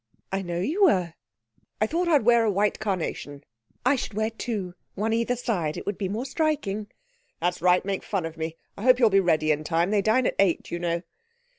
'I know you were.' 'I thought I'd wear a white carnation.' 'I should wear two one each side. It would be more striking.' 'That's right! Make fun of me! I hope you'll be ready in time. They dine at eight, you know.'